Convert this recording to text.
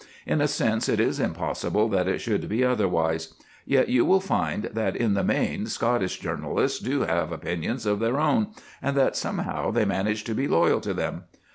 In a sense it is impossible that it should be otherwise. Yet you will find that in the main Scottish journalists do have opinions of their own, and that somehow they manage to be loyal to them.